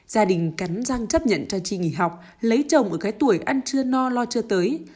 gia đình cắn răng chấp nhận cho chi nghỉ học lấy chồng ở cái tuổi ăn chưa no lo chưa tới